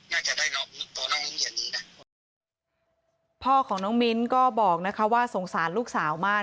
น่าจะได้ตัวน้องมิ้นอย่างนี้น่ะพ่อของน้องมิ้นก็บอกนะคะว่าสงสารลูกสาวมาก